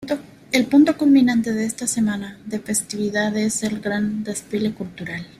El punto culminante de esta semana de festividades es el gran desfile cultural.